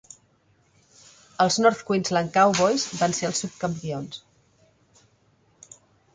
Els North Queensland Cowboys van ser els subcampions.